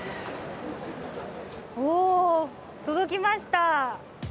おー、届きました！